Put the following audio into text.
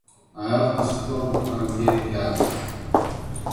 I have to stop and get gas.